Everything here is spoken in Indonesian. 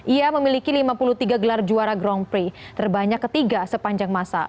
ia memiliki lima puluh tiga gelar juara grand prix terbanyak ketiga sepanjang masa